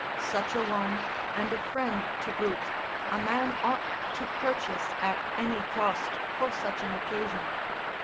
Such a one, and a friend to boot, a man ought to purchase at any cost for such an occasion.